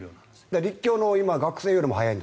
陸橋の学生よりも速い。